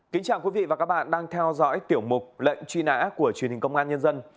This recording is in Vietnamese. kính chào quý vị và các bạn đang theo dõi tiểu mục lệnh truy nã của truyền hình công an nhân dân